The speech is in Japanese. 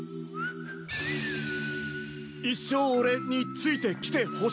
一生俺についてきてほしい！